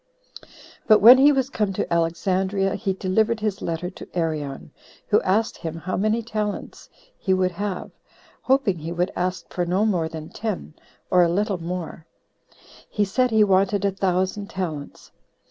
8. But when he was come to Alexandria, he delivered his letter to Arion, who asked him how many talents he would have [hoping he would ask for no more than ten, or a little more]; he said he wanted a thousand talents.